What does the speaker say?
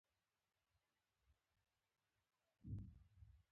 کرنه د بزګرانو اقتصادي حالت ته وده ورکوي.